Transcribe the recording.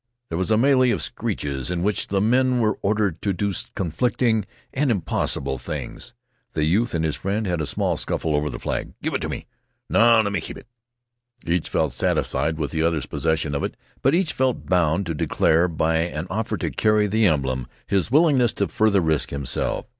There was a melée of screeches, in which the men were ordered to do conflicting and impossible things. The youth and his friend had a small scuffle over the flag. "Give it t' me!" "No, let me keep it!" Each felt satisfied with the other's possession of it, but each felt bound to declare, by an offer to carry the emblem, his willingness to further risk himself.